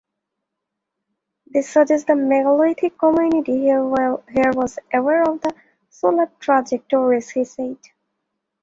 "This suggests the megalithic community here was aware of the solar trajectories," he said.